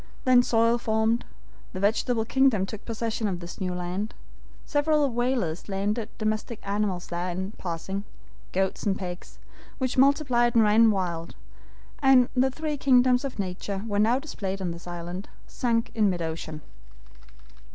Then soil formed. The vegetable kingdom took possession of this new land. Several whalers landed domestic animals there in passing; goats and pigs, which multiplied and ran wild, and the three kingdoms of nature were now displayed on this island, sunk in mid ocean.